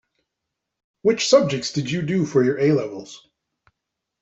Which subjects did you do for your A-levels?